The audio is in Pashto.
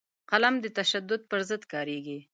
قلم د تشدد پر ضد کارېږي